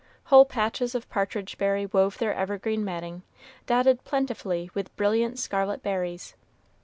Whole patches of partridge berry wove their evergreen matting, dotted plentifully with brilliant scarlet berries.